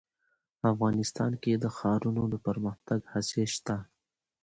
افغانستان کې د ښارونو د پرمختګ هڅې شته.